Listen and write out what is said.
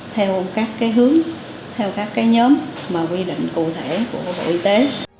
theo các hướng theo các nhóm quy định cụ thể của bộ y tế